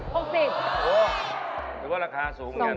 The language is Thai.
หรือว่าราคาสูงกัน